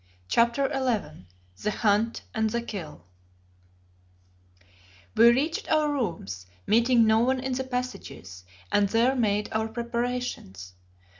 CHAPTER XI THE HUNT AND THE KILL We reached our rooms, meeting no one in the passages, and there made our preparations.